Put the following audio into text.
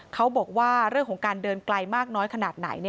เขาบอกว่าเรื่องของการเดินไกลมากน้อยขนาดไหน